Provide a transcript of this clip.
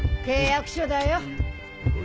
契約書だよ。